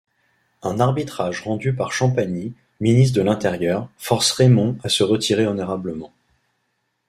Un arbitrage rendu par Champagny, ministre de l'Intérieur, force Raymond à se retirer honorablement.